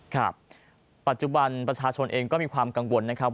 ครับปัจจุบันประชาชนเองก็มีความกังวลนะครับ